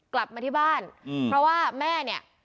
กลับมาที่บ้านเพราะว่าแม่เนี่ย